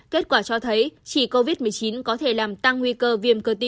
kết quả cho thấy chỉ covid một mươi chín có thể làm tăng nguy cơ viêm cơ tim